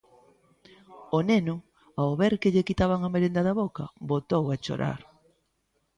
O neno, ao ver que lle quitaban a merenda da boca, botou a chorar.